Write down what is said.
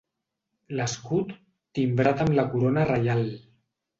L'escut, timbrat amb la corona reial.